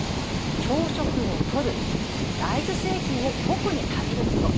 朝食をとる、大豆製品を特に食べること。